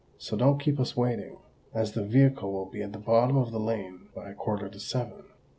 So don't keep us waiting—as the vehicle will be at the bottom of the lane by a quarter to seven."